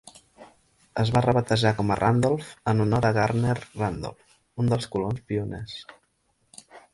Es va rebatejar com a Randolph en honor a Gardner Randolph, un dels colons pioners.